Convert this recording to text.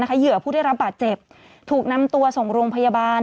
เหยื่อผู้ได้รับบาดเจ็บถูกนำตัวส่งโรงพยาบาล